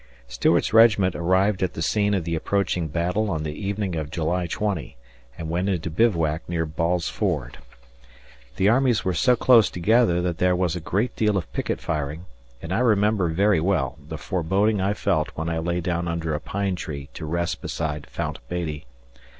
Stuart's regiment arrived at the scene of the approaching battle on the evening of July go and went into bivouac near Ball's Ford. The armies were so close together that there was a great deal of picket firing, and I remember very well the foreboding I felt when I lay down under a pine tree to rest beside Fount Beattie.